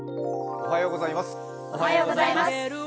おはようございます。